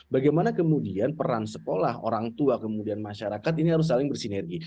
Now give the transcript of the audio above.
bagaimana kemudian peran sekolah orang tua kemudian masyarakat ini harus saling bersinergi